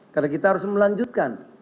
karena kita harus melanjutkan